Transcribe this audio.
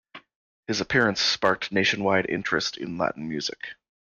His appearance sparked nationwide interest in Latin music.